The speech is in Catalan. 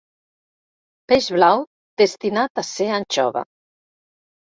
Peix blau destinat a ser anxova.